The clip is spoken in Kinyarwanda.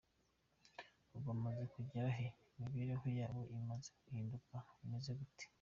Ubu bamaze kugera he, imibereho yabo imaze guhinduka, bimeze gute ?